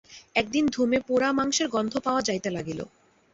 একদিন ধূমে পোড়া মাংসের গন্ধ পাওয়া যাইতে লাগিল।